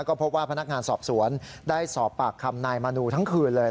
ก็พบว่าพนักงานสอบสวนได้สอบปากคำนายมนูทั้งคืนเลย